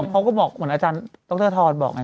เขาก็บอกเหมือนอาจารย์ดรธรบอกไง